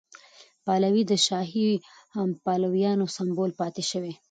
پهلوي د شاهي پلویانو سمبول پاتې شوی.